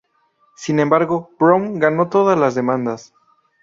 Sin embargo, Brown ganó todas las demandas.